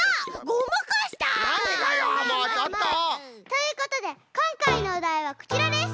ということでこんかいのおだいはこちらです！